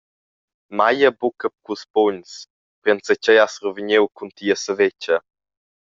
Maglia buca culs pugns, per enzatgei has survegniu cunti e savetscha.